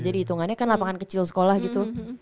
jadi hitungannya kan lapangan kecil sekolah gitu